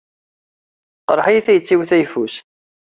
Tqerreḥ-iyi tayet-iw tayeffust.